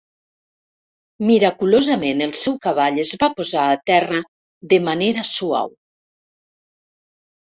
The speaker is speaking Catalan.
Miraculosament el seu cavall es va posar a terra de manera suau.